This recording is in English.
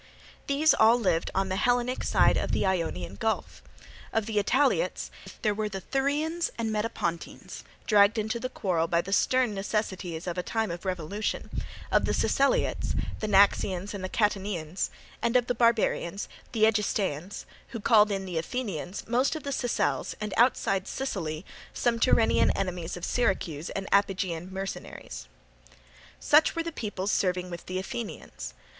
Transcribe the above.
These all lived on the Hellenic side of the Ionian Gulf. Of the Italiots, there were the Thurians and Metapontines, dragged into the quarrel by the stern necessities of a time of revolution; of the Siceliots, the Naxians and the Catanians; and of the barbarians, the Egestaeans, who called in the Athenians, most of the Sicels, and outside Sicily some Tyrrhenian enemies of Syracuse and Iapygian mercenaries. Such were the peoples serving with the Athenians.